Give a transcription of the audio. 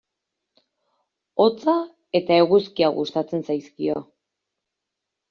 Hotza eta eguzkia gustatzen zaizkio.